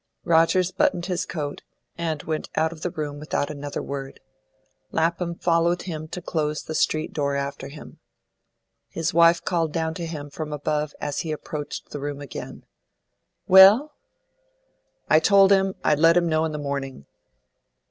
Rogers buttoned his coat, and went out of the room without another word. Lapham followed him to close the street door after him. His wife called down to him from above as he approached the room again, "Well?" "I've told him I'd let him know in the morning."